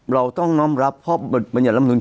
เราต้องน้อมรับเพราะบรรยษรรมทุน